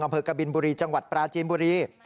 อำเภอกบิลบุรีจังหวัดปราจีนบุรี